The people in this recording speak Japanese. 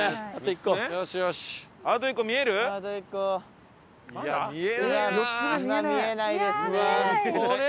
今見えないですね。